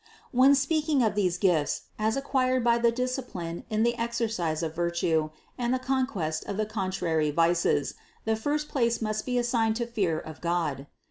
604. When speaking of these gifts as acquired by the discipline in the exercise of virtue and the conquest of the contrary vices, the first place must be assigned to fear of God.